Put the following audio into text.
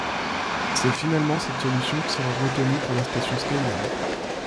C'est finalement cette solution qui sera retenue pour la station Skylab.